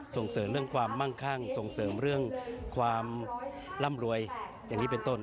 ส่งเสริมเรื่องความมั่งคั่งส่งเสริมเรื่องความร่ำรวยอย่างนี้เป็นต้น